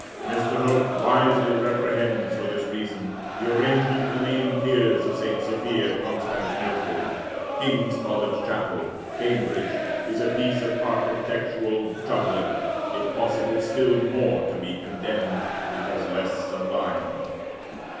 Mr. Hope wisely reprehends, for this reason, the arrangement of the main piers of St. Sophia at Constantinople. King's College Chapel, Cambridge, is a piece of architectural juggling, if possible still more to be condemned, because less sublime.